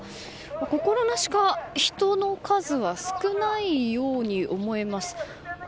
心なしか、人の数は少ないように思えます。